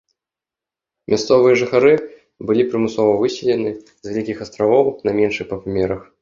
Мясцовыя жыхары былі прымусова выселены з вялікіх астравоў на меншыя па памерах.